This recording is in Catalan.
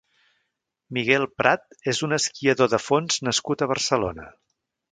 Miguel Prat és un esquiador de fons nascut a Barcelona.